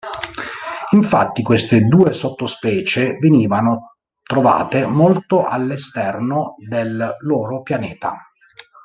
Infatti, queste due sottospecie venivano trovate molto all'esterno del loro pianeta.